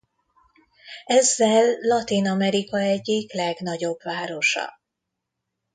Ezzel Latin-Amerika egyik legnagyobb városa.